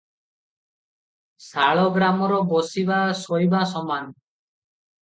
ଶାଳଗ୍ରାମର ବସିବା ଶୋଇବା ସମାନ ।